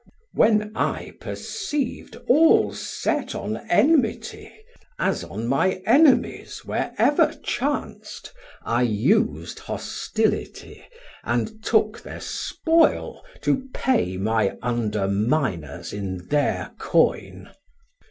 1200 When I perceiv'd all set on enmity, As on my enemies, where ever chanc'd, I us'd hostility, and took thir spoil To pay my underminers in thir coin.